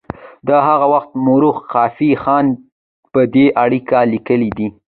د هغه وخت مورخ خافي خان په دې اړه لیکلي دي.